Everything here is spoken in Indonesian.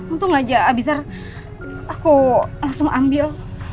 untung aja abisnya aku langsung ambil